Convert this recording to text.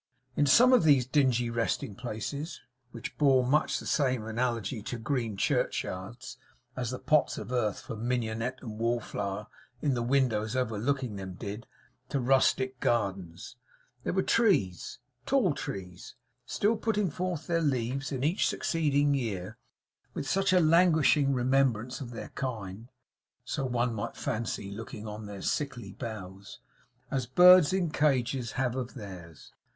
In some of these dingy resting places which bore much the same analogy to green churchyards, as the pots of earth for mignonette and wall flower in the windows overlooking them did to rustic gardens, there were trees; tall trees; still putting forth their leaves in each succeeding year, with such a languishing remembrance of their kind (so one might fancy, looking on their sickly boughs) as birds in cages have of theirs.